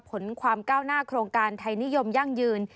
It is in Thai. ผลความก้าวหน้าโครงการไทยนิยมยั่งยืน